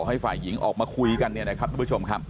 ให้ฝ่ายหญิงออกมาคุยกันเนี่ยนะครับทุกผู้ชมครับ